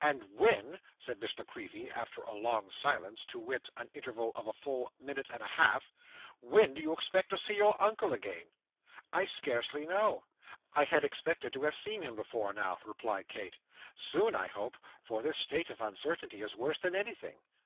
'And when,' said Miss La Creevy, after a long silence, to wit, an interval of full a minute and a half, 'when do you expect to see your uncle again?' 'I scarcely know; I had expected to have seen him before now,' replied Kate. 'Soon I hope, for this state of uncertainty is worse than anything.